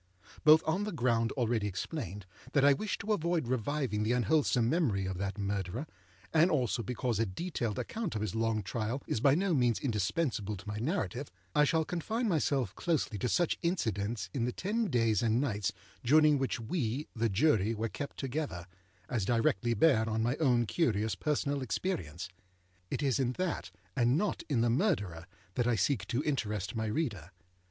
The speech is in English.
Both on the ground already explained, that I wish to avoid reviving the unwholesome memory of that Murderer, and also because a detailed account of his long trial is by no means indispensable to my narrative, I shall confine myself closely to such incidents in the ten days and nights during which we, the Jury, were kept together, as directly bear on my own curious personal experience. It is in that, and not in the Murderer, that I seek to interest my reader.